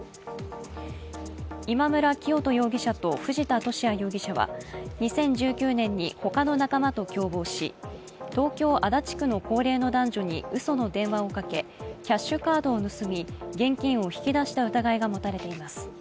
今村磨人容疑者と藤田聖也容疑者は２０１９年にほかの仲間と共謀し東京・足立区の高齢の男女にうその電話をかけキャッシュカードを盗み現金を引き出した疑いが持たれています。